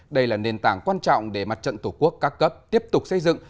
đây là nền tảng quan trọng để mặt trận tổ quốc các cấp tiếp tục xây dựng